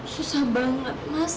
susah banget mas